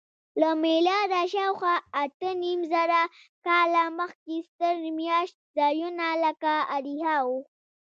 له میلاده شاوخوا اتهنیمزره کاله مخکې ستر میشت ځایونه لکه اریحا وو.